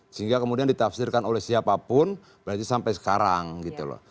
sehingga kemudian ditafsirkan oleh siapapun berarti sampai sekarang gitu loh